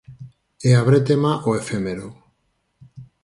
E a brétema o efémero.